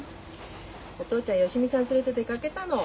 お父ちゃん芳美さん連れて出かけたの？